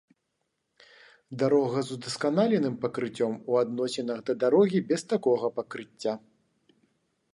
дарога з удасканаленым пакрыццём у адносінах да дарогі без такога пакрыцця